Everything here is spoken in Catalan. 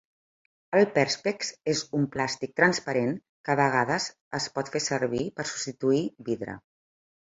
El Perspex és un plàstic transparent que a vegades es pot fer servir per substituir vidre.